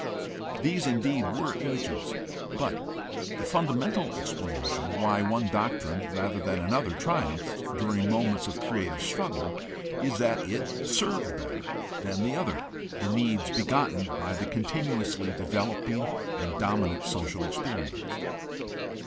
These indeed were agents, but the funda mental explanation why one doctrine rather than another triumphed during moments of creative struggle is that it served better than the other the needs begotten by the con tinuously developing and dominant social experience.